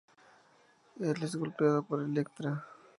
Él es golpeado por Elektra.